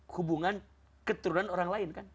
hubungan keturunan orang lain kan